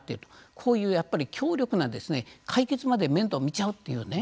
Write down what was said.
こういう強力な解決まで面倒を見ちゃうというね